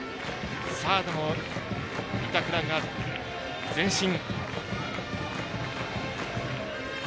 サードの板倉が前進。